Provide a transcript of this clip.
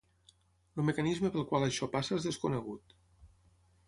El mecanisme pel qual això passa és desconegut.